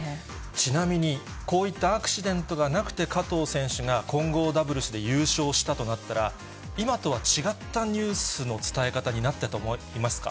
ちなみに、こういったアクシデントがなくて、加藤選手が混合ダブルスで優勝したとなったら、今とは違ったニュースの伝え方になっていたと思いますか。